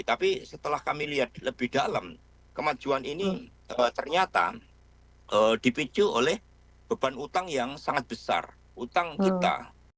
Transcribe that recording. tapi setelah kami lihat lebih dalam kemajuan ini ternyata dipicu oleh beban utang yang sangat besar utang kita